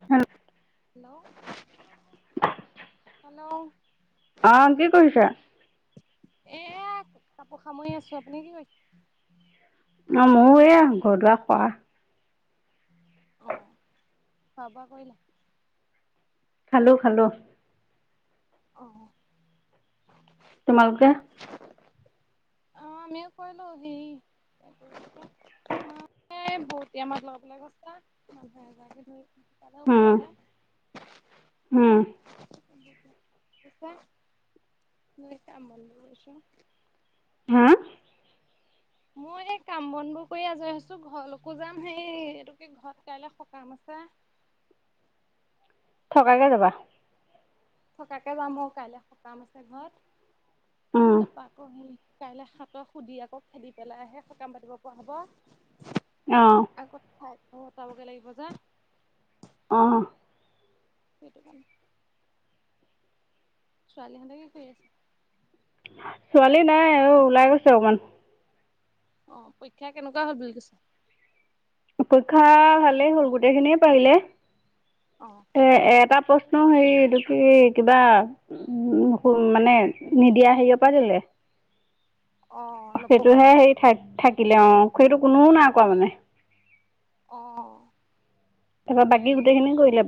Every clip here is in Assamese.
হেল্ল' হেল্ল' আহ কি কৰিছা এয়া কাপোৰ সামৰি আছো আপুনি কি কৰিছে অ ময়ো এয়া ঘৰ দুৱাৰ সৰা অ খোৱা বোৱা কৰিলা খালো খালো আহ তোমালোকে অ আমিও কৰিলো হেৰি মইও এ বৰতিয় মাত লগ বলে গৈছিল মানুহ এগৰাকী কৰিলে তাতে উম উপৰলে উম ছ মছ আমনৈছো [unintelligible] হা মই সেই কাম বন বোৰ কৰি আজৰি হৈছো ঘৰলৈকো যাম সেই এইটো কি ঘৰত কাইলে সকাম আছে থকাকে যাবা থকাকে যাম অ কাইলৈ সকাম আছে ঘৰত অম তাৰপা আকৌ স কাইলৈ হাত সুধি আকৌ খেদি পেলাইহে সকাম পাতিব পৰা হব আহ পাকঘৰ অতাব গে লাগিব যে আহ সেইটো কাৰণে ছোৱালীহঁতেক কি কৰি আছে ছোৱালী নাই অ ওলাই গৈছে অকমান অ পৰীক্ষা কেনেকুৱা হল বুলি কৈছ পৰীক্ষা ভালেই হ'ল গোটেই খিনিয়ে পাৰিলে অ এ এটা প্ৰ্ ন হেৰি এইটো কি কিবা উ মানে নিদিয়া হেৰিয় পৰা দিলে অ [inaudible] নপঢ়োৱা সেইটোহে পা হেৰি থ থাকিলে অ সেইটো কোনোও নাই কৰাোৱা মানে আহ তাৰপা বাকী গোটেই খিনি কৰিলে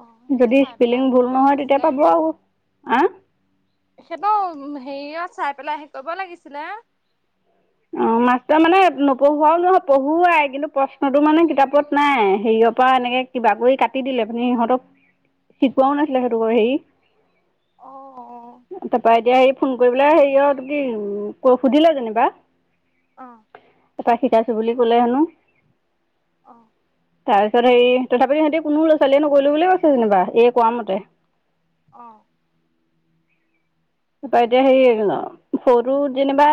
অ সেইটো যদি চাই পেলাই স্পেলিং হেৰি ভুল কৰিব নহয় তেতিয়া লাগিছিলে পাব আৰু হ সেইবৌ হেৰিয়ত চাই পেলাই হে কৰিব লাগিছিলে অ মাষ্টাৰ মানে নপঢ়োৱাও নহয় পঢ়োৱাই কিন্তু প্ৰশ্নতটো মানে কিতাপত নাই হেৰিয়ৰ পৰা এনেকে কিবা কৰি কাটি দিলে মানে সিহঁতক শিকোৱাও নাছিলে সেইহটোোক হেৰি অ তাৰপ এতিয়া সেই ফোন কৰি পেলাই হেৰি অ ত কি ক সুধিলে যেনিবা আহ তপৰা শিকাইছো বুলি ক'লে হেনো অঁ তাৰপিছত হেৰি তথাপিও সিহঁতি কোনো লৰা ছোৱালীয়ে নকৰিলো ব বুলিয় কৈছে যেনিবা এ কোৱা মতে আহ প এতিয়া সেই ন সৰুটো যেনিবা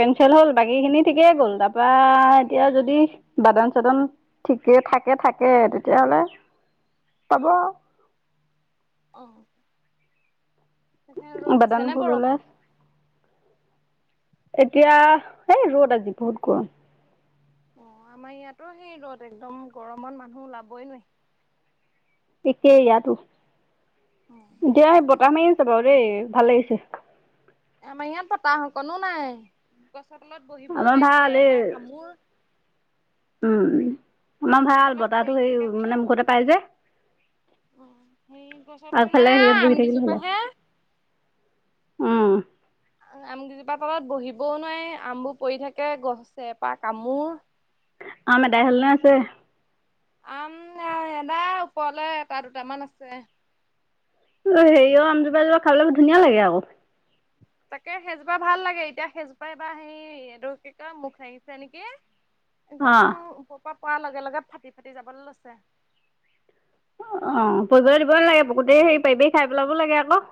কেনচেল হ'ল বাকী খিনি ঠিকেই গ'ল তাৰপা এতিয়া যদি বাদান চাদন ঠিকে থাকে থাকে তেতিয়াহলে পাব আৰু অ তাতে ৰ'দ বাদাম দিছে নে ভুল ওলাই বৰষুন এতিয়া এই ৰ'দ আজি বহুত গৰম অ আমাৰ ইয়াতো সেই ৰ'দ একদম গৰমত মানুহ ওলাবই নোৱাৰি একেই ইয়াতো অ এতিয়া বতাহ মাৰি আছে বাৰু দেই ভাল হৈছে আমাৰ ইয়াত বতাহ কনো নাই লত বহিব আমাৰ নোৱাৰি ভাল এই ছেৰপাৰ কামোৰ উম আমাৰ আমবোৰ ভাল তলত সৰি বতাহটো সেই থাকে যে মানে মুখতে পাই যে অ সেই গছৰ তল মানে আগফালে হেহত বহি থাকিলে হল আহম আমকেইজোপাহে আম গেইজোপা তলত বহিবও নোৱাৰি আমবোৰ পৰি থাকে গছ ছেপা কামোৰ আম এদাই হলনে আছে আম এদাই ওপৰলৈ এটা দুটামান আছে অ হেৰিয়ও আমজোপা জোপা খাবলৈ ধুনীয়া লাগে আকৌ তাকে সেইজোপা ভাল লাগে এতিয়া সেইজোপা এইব সেই এইটোৰ কি কয় মুখ লাগীছে নেকি অ একদম ওৰৰ পৰা পোৱাৰ লগে লগে ফাটি ফাটি যাবলৈ লৈছে অ ৰি বলৈ দিব নালাগে গোতে হেৰি পাৰিবি খাই পেলাব লাগে আকৌ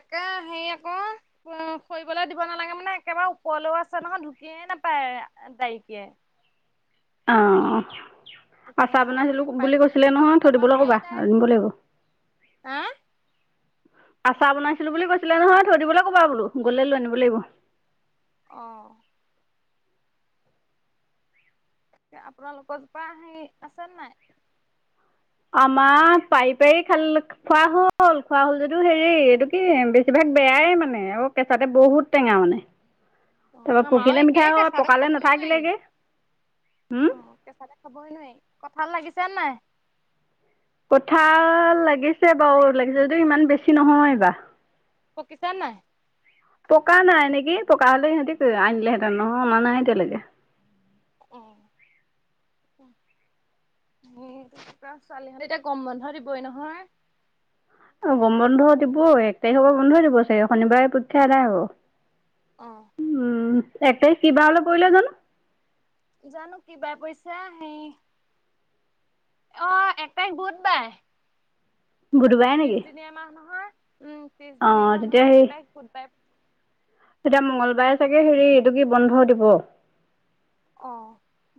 তে হেৰি আকৌ উ ফৰিবলৈ দিব নালাগে মানে একেবাৰে ওপৰলেও আছে নহয় ঢুকিয়ে নাপায় তাইকে অ তেতিয়া আচাৰ হয় বনাইছিলো সেই পাৰি বুলি থৈ কৈছিলে যাবলৈও নহয় থৈ দিবলৈ ক'বা আনিব লাগিব হ আচাৰ বনাইছিলো বুলি কৈছিলে নহয় থৈ দিবলৈ ক'বা বোলো গলে লৈ আনিব লাগিব আহ আপোনালোকৰ জোপা হেৰি আছে নাই আমাৰ পাৰি পাৰি খাল খোৱা হ'ল খোৱা হ'ল যদিও হেৰি এইটো কি বেছিভাগ বেয়াই মানে অ কেঁচাতে বহুত টেঙা মানে অ তাৰপৰা আমাৰো পকিলে একেই মিঠাই হয় কেঁচাতে পকালে খাবই নোৱাৰি। নাথাকিলেগে অ কেঁচালে খাবই নোৱাৰি কঠাল লাগিছে নাই কঠাল লাগিছে বাৰু লাগিছে যদিও ইমান বেছি নহয় এইবাৰ পকিচেন নাই পকা নাই নেকি পকা হলে সিহঁতি আনিলেহেঁতেন নহয় অনা নাই এতিয়ালৈকে উম, এৰা, ছোৱালীহতে এতিয়া গৰম বন্ধ দিবই নহয় আৰু গম বন্ধ দিব এক তাৰিখৰ পৰা বন্ধই দিব চাগে শনিবাৰে পৰীক্ষা এদাই হব উম, এক তাৰিখ কিবা হলে পৰিলে জানো জানো কি বেয়া পইছা আহি অ একটাইখ বুধ বাই বুধবাৰে নেকি ত্ৰিছদিনীয়া মাহ নহয় উম', অ ত্ৰিশদিনীয়া মাহ তেতিয়া নহয় এক সেই তাইখ বুধাই তেতিয়া মঙ্গলবাৰে চাগে হেৰি এইটো কি বন্ধ দিব অ,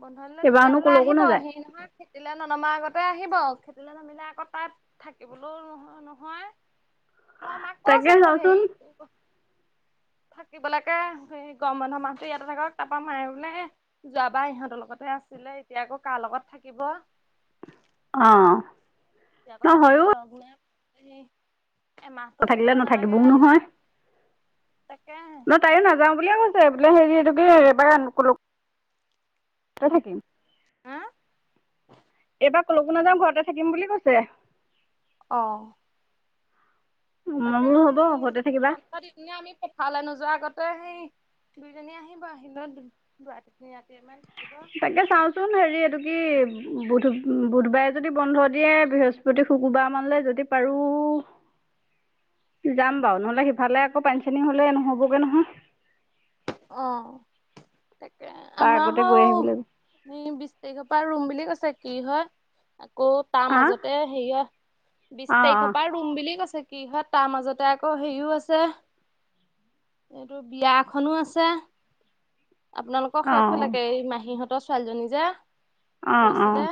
বন্ধ দিলে এইবাৰনো তেতিয়াহলে কলৈকো আহিব নাযায় সি নহয় খেটিলে ননমা আগতে আহিব খেতিলৈ নামিলে আকৌ তাত থাকিবলৈও নহয়, নহয়। মই মাক তাকে কৈছিলো চাওচোন হেৰি থাকিবলৈকে সেই গৰম বন্ধ মাহটো ইয়াতে থাকক তাৰাপা মায়ে বোলে যোৱাবাৰ ইহঁতৰ লগতে আছিলে, এতিয়া আকৌ কাৰ লগত থাকিব। অহ' এতিয়া আকৌ থাকিবলৈ লগ নাই সেই এমাহটো নাথাকিলে থাকিব নালাগে নাথাকিবও নহয়। তাকে নহ তাইও নাযাওঁ বুলিয়ে কৈছে বোলে হেৰি এইটো কি এবাৰ কলকো। ক থাকিম হ এবাৰ কলোকো নাযাাম ঘৰতে থাকিম বুলি কৈছে আহ', মই তাকে বোলো আমি হ'ব ঘৰতে থাকিবা পন্ধ দি আমি পঠালে নোযোৱা আগত তই সেই দুইজনী আহিব আহতুৱাটীজনী ৰাতি ইমান তাকে চাওচোন হেৰি এইটো কি বুধ-বুধবাৰে যদি বন্ধ দিয়ে বৃহস্পতি, শুকুৰবাৰ মানলৈ যদি পাৰো যাম বাৰু নহ'লে সিফালে আকৌ পানী চানী হ'লে নহ'বগে নহয়। আহ' তাকে তাৰ আমাৰ আগতে হ গৈ আহিব লাগিব বিছ তাৰিখ পৰা ৰুম বুলি কৈছে কি হয়। আকৌ তাৰ আ মাজতে হেৰি হয় বিশ তাৰিখৰ অঁ পৰা ৰুম বুলি কৈছে। কি হয় তাৰ মাজতে আকৌ হেৰিও আছে এইটো বিয়াখনো আছে। আপোনালোকৰ অঁ সেইফালকে এই মাহীহঁতৰ ছোৱালীজনী যে অঁ পৰিছিলে অঁ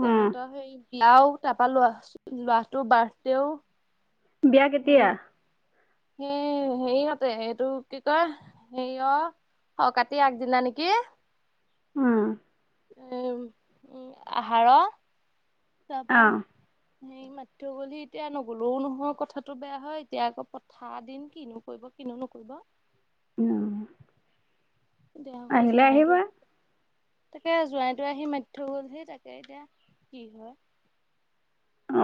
অঁ তেহেঁতৰ সেইৰি লাও তাৰপা লোৱা লৰাটো বাৰ্থডে ও। বিয়া কেতিয়া? এয়ে হেৰিয়হঁতে এইটো কি কয় সেই অ' কাতি আগদিনা নেকি? উম, উম, উম, আহাৰ তাৰ পৰাৰা অঁ হেই মাতি থয় গ'লহি এতিয়া নগ'লেও নহয় কথাটো বেয়া হয়, এতিয়া আকৌ পথাৰৰ দিন কিনো কৰিব। কিনো নো কৰিব। [unintelligible] দেহশৰ আহিলে জোৱাইটো আহিবা তাকে জোৱাইটো আহি মাতি থয় গলহি তাকে এতিয়া কি হয়।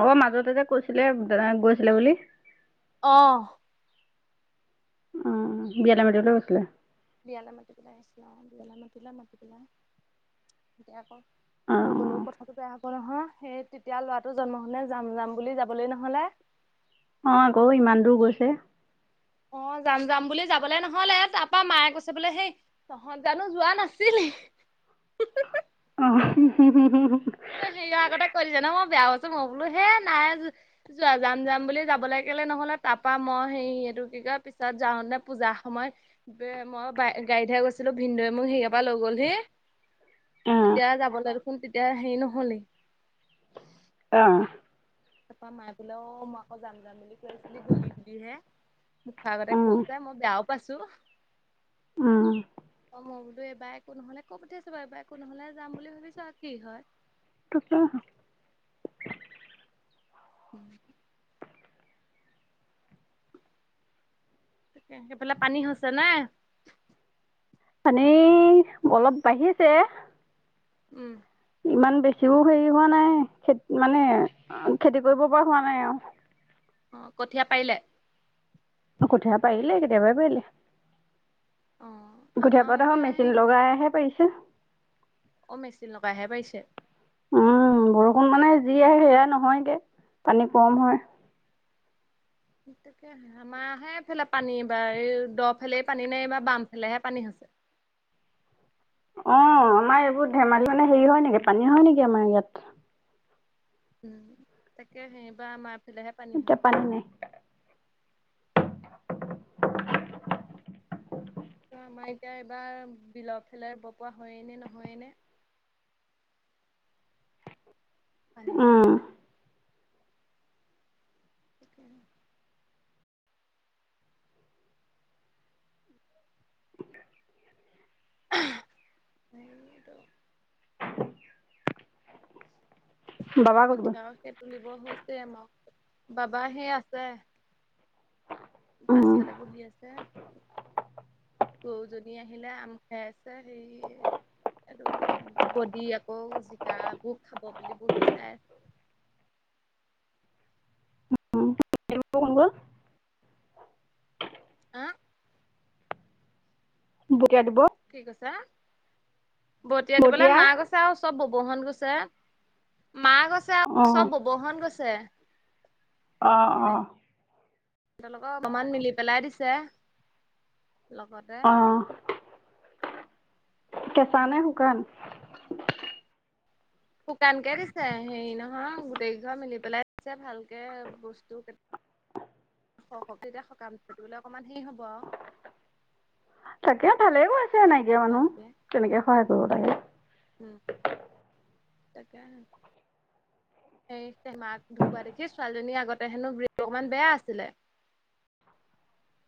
অ' মাজতে যে কৈছিলে দাদাহত গৈছিলে বুলি। অ' অহ, বিয়ালে মাতিবলৈ গৈছিলে। বিয়ালৈ মাতি পেলাই আহিছিল বিয়ালৈ মাতিলো মাতি পেলাই এতিয়া আকৌ অঁ নগ'লেও কথাটো বেয়া হ'ব। হ'ব নহয় সেই তেতিয়া ল'ৰাটো জন্ম হওঁতে যাম যাম বুলি যাবলৈ নহ'লে। অ' আকৌ ইমান দূৰ গৈছে। অ' যাম যাম বুলি যাবলে নহ'লে তাৰপা মায়ে কৈছে বোলে সেই তহঁত জানো যোৱা নাছিল। [unintelligible] অ' [unintelligible] হেৰিয়ৰ আগতে কৈ দিছে নহয় মই বেয়া কছো মই বোলো হে নাই যোৱা যাম যাম বুলি যাবলৈ কেলে নহ'লে তাৰাপা মই হেৰি সেইটো কি পিছত যাওঁ নে পূজাৰ সময়ত মই গাড়ীতহে গৈছিলো ভিন্নদয়ে মোক সেই হেইাৰ লয় গ'লহে [unintelligible] অঁ তেতিয়া যাবলৈ দেখোন তেতিয়া হেৰি নহ'লেই। আহ তাপা মায়ে বোলে অ' মই আকৌ যাম যাম বুলি কৈ আছিলি গলি বুলিহে। মো খৰ আগতে কৈছে মই বেয়াও পাইছো। উম। অ মই বোলো এবাৰ একো নহ'লে কয় পঠিয়াইছো বাৰু এইবাৰ একো নহ'লে যাম বুলি ভাবিছো আৰু কি হয়। তাকটো উম। তাকে সেইফালে পানী হৈছে নাই। পানী অলপ বাঢ়িছে। উম। ইমান বেছিও হেৰি হোৱা নাই খেতি মানে খেতি কৰিব পৰা হোৱা নাই আৰু অ' কঠীয়া পাৰিলে। কঠীয়া পাৰিলে, কেতিয়াবা পাৰিলে। অ গঠীয়া আমাৰ পৰাতোহে এতিয়া মেচিন সেই লগাইহে পাৰিছে। অ' মেচিন লগাইহে পাৰিছে। উম, বৰষুণ মানে যি আহে সেয়াই নহয়গে পানী কম হয়। তাকে আমাৰাহেফালে পানী এইবাৰ এই দ ফেলে পানী নাই, এইবাৰ বাম ফালেহে পানী হৈছে। [inaudible] অ' আমাৰ এইবোৰ ধেমালি মানে হেৰি হয় নেকি পানী হয় নেকি আমাৰ ইয়াত উম, তাকেহে এইবা আমাৰফালেহে পানী হৈছে। এতিয়া নাই ত' আমাৰ এতিয়া এইবাৰ বিলৰ ফেলাই ব পৰাোৱা হয়েই নে নহয়েই নে। পানী উম যহতে সেইটোৱে সেইটো বাবা ক'ত গ'ল কঠিয়াও সেই তুলিব হৈছে মাক বাবা হেই আছে। পাছফালে উম বহি আছে। [inaudible] গৰু জনী আহিলে আম খাই আছে হেয় আৰু বডি আকৌ জিকাবোৰ খাব বুলি বহি চাই। [inaudible] [unintelligible] আহ বতীয়া দিব কি কৈছা। বতিয়াই দিবলৈ বতীয়া মা গৈছে আৰু চ'ব ব'ব হত গৈছে। মা গৈছে অ আৰু চ'ব ব'ব হত গৈছে। আহ, আহ। [unintelligible] অকমান মিলি পেলাই দিছে। লগতে অ' কেঁচা নে শুকান। শুকানকে দিছে হেৰি নহয় গোটেইকেইঘৰ মিলি পেলাই দিছে ভালকে বস্তু তেতিয়া সকাম থ'লে অকমান হেৰি হ'ব আৰু তাকে ভালে গৈছে। নাইকিয়া মানুহ শুকানকে তেনেকে সহায় কৰিব উম লাগে। তাকে সেই মাক ঢুকুৱোৱা দেখি ছোৱালীজনীৰ আগতে হেনো বেয়নটো অকমান বেয়া আছিলে। [unintelligible]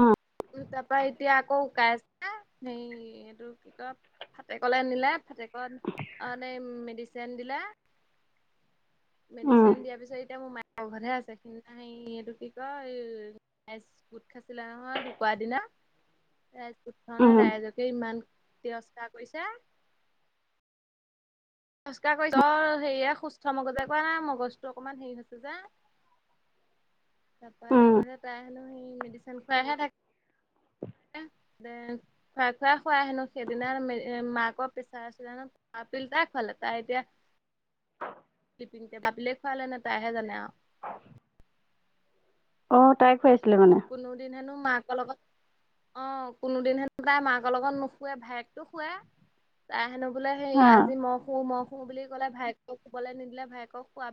উম তাৰপা এতিয়া আকৌ [inaudible] হে এইটো কি কয় ফাটেকলে নিলে ফাটেকত অ' এনে মেডিচিন দিলে। [unintelligible] মেডিচিন উম দিয়াৰ পিছত এতিয়া মো মাইক ঘৰতে আছে সিদিনা এইটো কি কয় গোট খাছিল নহয় ঢুকুৱা দিনা গোট খাৱতে নে উম ৰাইজকে ইমান তিৰস্কাৰ কৰিছে। খোজকাাঢ় কৰিছ অ' হেৰিয় সুস্থ মগজে কোৱা না মগজটো অকমান হেৰি হৈছে যে [unintelligible] তাৰপা উম সেই কৰিছে তাই হেনো সেই মেডিচিন খুৱাইহে থাকে খুৱাই খুৱাই খুৱাই আহনো সেইদিনা মাকৰ পেছাৰ আছিলহেনো। পিল এটা খালে তাই এতিয়া। [unintelligible] [unintelligible] খুৱালে নে তাইহে জানে আৰু অ' তাই খুৱাইছে। কোনো দিন হেনো মাকৰ লগত অ' কোনোদিন হেনো তাই মাকৰ লগত নুশুৱে ভায়েকতো শুৱে তাই হেনো। বোলে হেৰি অ আজি মহ শো, মহ শো বুলি ক'লে ভায়েকক শুবলৈ নিদিলে ভায়েকক খোৱা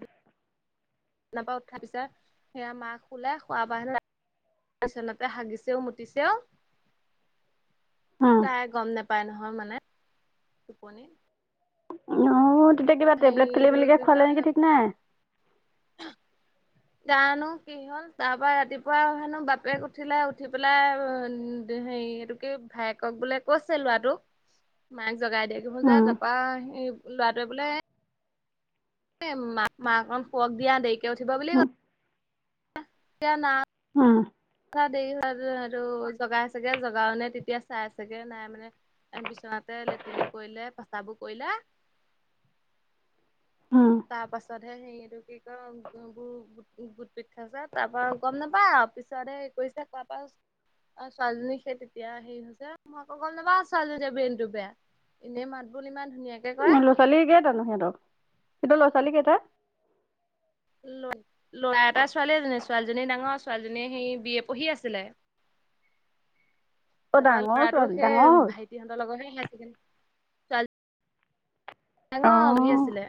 বিচনাৰ আৰ পৰা উঠাৰ পিছা সেয়া মা খোলে খোৱ বাহ বিচনাতে হাগিছেও মুতিছেও। অ তাই গ'ম নাপায় নহয় মানে টোপনিত। অ তেতিয়া কিবা টেবলেট খেলি মেলিকে কি খুৱালে নেকি কয় ঠিক নাই? জানো কি হ'ল তাৰ পৰা ৰাতিপুৱা হেনো বাপেক উঠিলে উঠি পেলাই হেৰি এইটোকে ভায়েকক বোলে কৈছে ল'ৰাটোক মাক জগাই দিয়ে উম যাৰ তাৰপা সি ল'ৰাটোৱে বোলে এ মা অকন খুৱক দিয়া দেৰিকে উঠিব বুলি উম ক'লে। কিয় নাম উম উঠা দেৰি হয় যে হেইটো আৰু জগাই ছেগো জগাও টে তেতিয়া চাই আছোগে নাই মানে তাৰ পিছতে লেট্ৰিনো কৰিলে, পচাবোৰ কৰিলে। [unintelligible] তাৰ পাছতহে সেটো কি কয় [unintelligible] পৃঠা আছে তাৰ পৰা গম নাপায় পিছত পিছ দে এ কৈছা কাৰ পৰা হৈছে অ' ছোৱালীজনীক সেই তেতিয়া হেৰি হৈছে মই আকৌ গ'ম নাপাওঁ ছোৱালীজনী ব্ৰেইনটো বেয়া। এনেই মাত বোল ইমান ধুনীয়াকে কৰে অ' ল'ৰা ছোৱালী কেইটানো সিহঁত, সিহঁতৰ ল'ৰা ছোৱালী কেইটা ল'ৰা এটা ছোৱালী এজনী ছোৱালীজনী ডাঙৰ ছোৱালীজনী সেই বি এ পঢ়ি আছিলে। অ তাৰপা ডাঙৰ ল'ৰাটো ছোৱালী সেই ডাঙৰ হ'ল ভাইটি হহঁতৰ লগৰহে হাইছেকদ্ৰৰি ছোৱালী এঙা অভি অ আছিলে